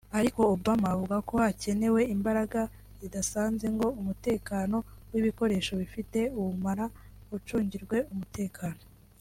ariko Obama avuga ko hakenewe imbaraga zidasanze ngo umutekano w’ibikoresho bifite ubumara ucungirwe umutekano